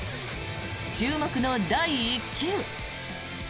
注目の第１球。